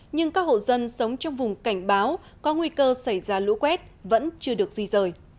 nhưng các hộ dân sống trong vùng cảnh báo có nguy cơ xảy ra lũ quét vẫn chưa được di rời